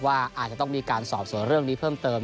ว่าอาจจะต้องมีการสอบสวนเรื่องนี้เพิ่มเติม